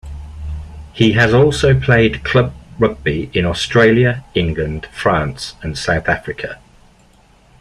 He has also played club rugby in Australia, England, France and South Africa.